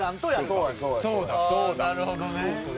ああなるほどね。